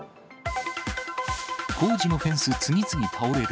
工事のフェンス次々倒れる。